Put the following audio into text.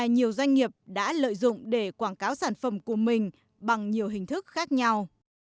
nhiều doanh nghiệp đã lợi dụng để quảng cáo sản phẩm của mình bằng nhiều hình thức khác nhau